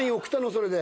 それで。